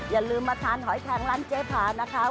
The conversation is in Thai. อย่าลืมมาทานหอยแทงร้านเจ๊พานะคะ